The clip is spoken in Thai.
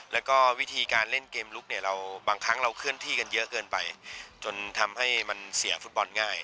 แล้วก็วิธีการเล่นเกมลุกเนี่ยเราบางครั้งเราเคลื่อนที่กันเยอะเกินไปจนทำให้มันเสี่ยงฟุตบอลง่าย